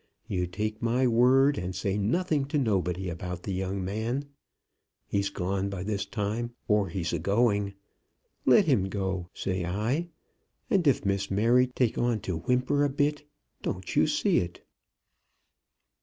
You take my word, and say nothing to nobody about the young man. He's gone by this time, or he's a going. Let him go, say I; and if Miss Mary takes on to whimper a bit, don't you see it."